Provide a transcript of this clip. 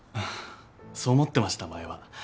そう思ってました前は。